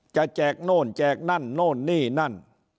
แจกโน่นแจกนั่นโน่นนี่นั่น